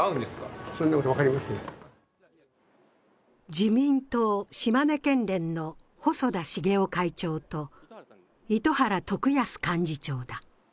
自民党島根県連の細田重雄会長と絲原徳康幹事長だ。